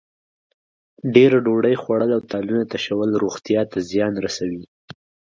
ډېره ډوډۍ خوړل او تالونه تشول روغتیا ته زیان رسوي.